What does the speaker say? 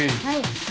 はい。